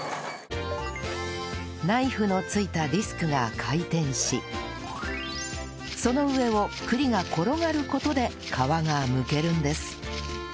ナイフの付いたディスクが回転しその上を栗が転がる事で皮が剥けるんです